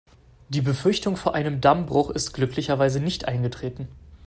Die Befürchtung vor einem Dammbruch ist glücklicherweise nicht eingetreten.